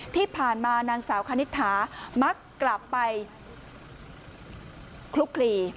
ที่ผ่านมานางสาวคณิตถามักกลับไปคลุกคลี